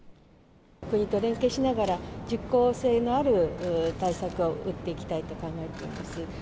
国と連携しながら、実効性のある対策を打っていきたいと考えております。